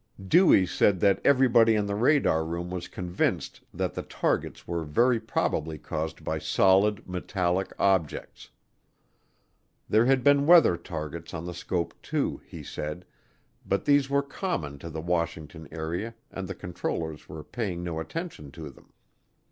Dewey said that everybody in the radar room was convinced that the targets were very probably caused by solid metallic objects. There had been weather targets on the scope too, he said, but these were common to the Washington area and the controllers were paying no attention to them.